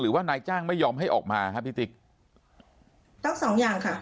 หรือว่านายจ้างไม่ยอมให้ออกมาครับพี่ติ๊กต้องสองอย่างค่ะ